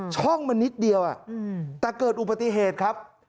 ช่องมันนิดเดียวแต่เกิดอุบัติเหตุครับ